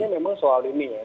ya soal ini memang soal ini ya